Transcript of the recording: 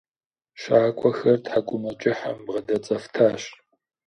Щакӏуэхьэр тхьэкӏумэкӏыхьым бгъэдэцӏэфтащ.